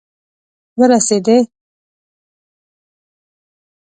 ورسیدي